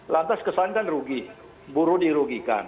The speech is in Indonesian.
lantas kesan kan rugi buru dirugikan